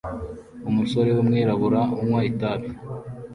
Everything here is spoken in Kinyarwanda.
Umusore wumwirabura unywa itabi